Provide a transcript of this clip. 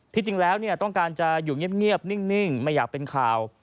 ที่จริงแล้วต้องการจะอยู่เงียบนิ่งไม่อยากเป็นข่าว